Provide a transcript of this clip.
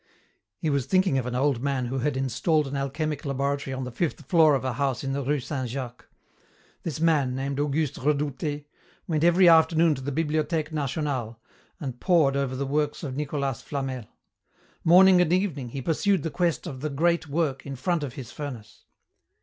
He was thinking of an old man who had installed an alchemic laboratory on the fifth floor of a house in the rue Saint Jacques. This man, named Auguste Redoutez, went every afternoon to the Bibliothèque Nationale and pored over the works of Nicolas Flamel. Morning and evening he pursued the quest of the "great work" in front of his furnace.